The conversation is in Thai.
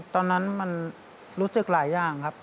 ตอนนั้นมันรู้สึกหลายอย่างครับ